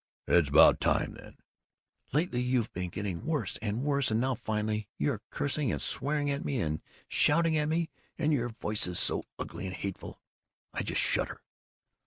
"It's about time then!" "Lately you've been getting worse and worse, and now, finally, you're cursing and swearing at me and shouting at me, and your voice so ugly and hateful I just shudder!"